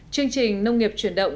chương trình nông nghiệp chuyển động